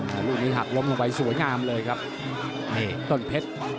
แต่ลูกนี้หักล้มลงไปสวยงามเลยครับนี่ต้นเพชร